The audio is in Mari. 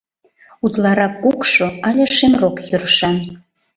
Утларак кукшо але шемрок йӧршан.